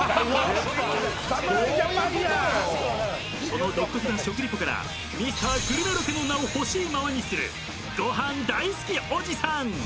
［その独特な食リポからＭｒ．グルメロケの名をほしいままにするご飯大好きおじさん！］